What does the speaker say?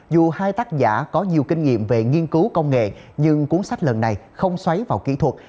dù hai tác giả có nhiều kinh nghiệm về nghiên cứu công nghệ nhưng cuốn sách lần này không xoáy vào kỹ thuật